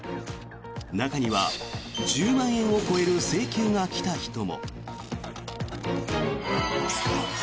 中には１０万円を超える請求が来た人も。